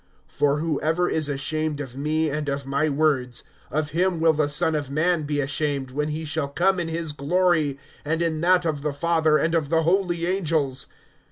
(26)For whoever is ashamed of me and of my words, of him will the Son of man be ashamed, when he shall come in his glory, and in that of the Father and of the holy angels.